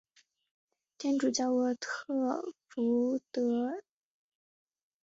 天主教沃特福德暨利斯莫尔教区是爱尔兰一个罗马天主教教区。